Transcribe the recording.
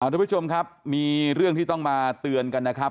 ทุกผู้ชมครับมีเรื่องที่ต้องมาเตือนกันนะครับ